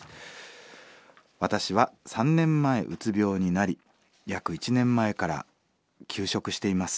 「私は３年前うつ病になり約１年前から休職しています。